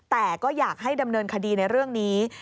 แต่ก็อยากให้ดำเนินคดีในเรื่องนี้